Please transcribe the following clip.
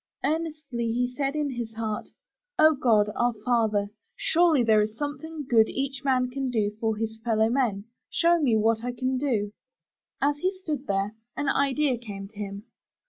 Earnestly he said in his heart: *'0 God, our Father, surely there is something good each man can do for his fellowmen. Show me what I can do.*' As he stood there, an idea came to him.